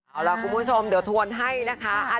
เอาล่ะคุณผู้ชมเดี๋ยวทวนให้นะคะ